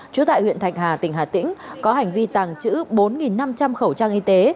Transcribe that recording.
trú tại huyện thạch hà tỉnh hà tĩnh có hành vi tàng trữ bốn năm trăm linh khẩu trang y tế